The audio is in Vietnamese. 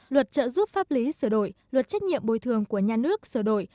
luật trợ giúp pháp lý sửa đổi luật trách nhiệm bồi thường của nhà nước sửa đổi